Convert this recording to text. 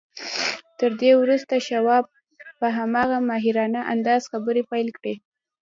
تر دې وروسته شواب په هماغه ماهرانه انداز خبرې پيل کړې.